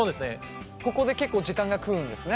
ここで結構時間が食うんですね